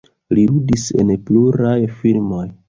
Li ludis en pluraj filmoj.